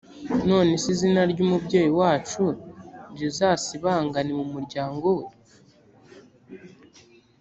none se izina ry’umubyeyi wacu rizasibangane mu muryango we?